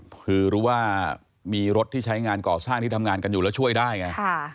คือรู้ว่ามีรถที่ใช้งานก่อสร้างที่ทำงานกันอยู่แล้วช่วยได้ไง